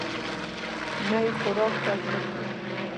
نه يې خوراک ته زړه کېده.